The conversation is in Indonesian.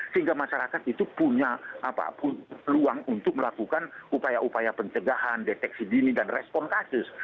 sehingga masyarakat itu punya peluang untuk melakukan upaya upaya pencegahan deteksi dini dan respon kasus